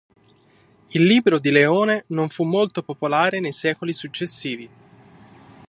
Il libro di Leone non fu molto popolare nei secoli successivi.